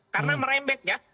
karena meremeh ya